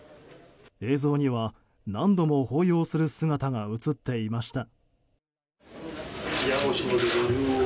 映像には、何度も抱擁する姿が映っていました。